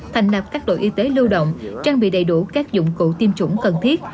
thành nạp các đội y tế lưu động trang bị đầy đủ các dụng cụ tiêm chủng cần thiết